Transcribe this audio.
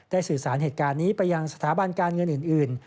สื่อสารเหตุการณ์นี้ไปยังสถาบันการเงินอื่น